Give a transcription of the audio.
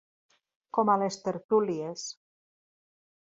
Com a les tertúlies.